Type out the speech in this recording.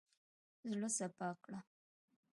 زړه سپا کړه.